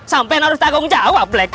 sampai naruh tagung jawab black